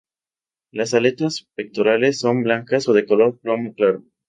Las aletas pectorales son blancas o de color plomo claro.